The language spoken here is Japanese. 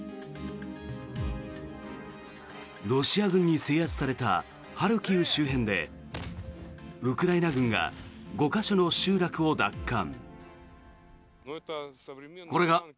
ロシア軍に制圧されたハルキウ周辺でウクライナ軍が５か所の集落を奪還。